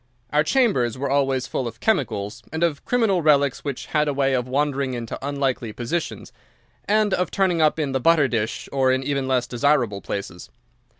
Our chambers were always full of chemicals and of criminal relics which had a way of wandering into unlikely positions, and of turning up in the butter dish or in even less desirable places.